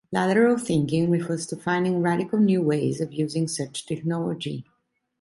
"Lateral thinking" refers to finding radical new ways of using such technology.